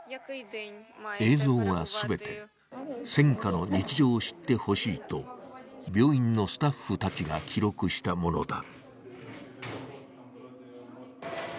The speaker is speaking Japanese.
映像は全て、戦火の日常を知ってほしいと病院のスタッフたちが記録したものだ。